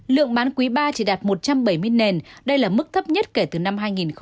lượng bán quý ba chỉ đạt một trăm bảy mươi nền đây là mức thấp nhất kể từ năm hai nghìn một mươi